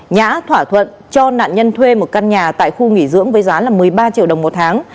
nhã thỏa thuận cho nạn nhân thuê một căn nhà tại khu nghỉ dưỡng với giá một mươi ba triệu đồng một tháng